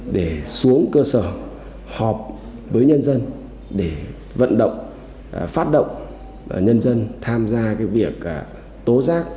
để xuống cơ sở họp với nhân dân để vận động phát động nhân dân tham gia việc tố giác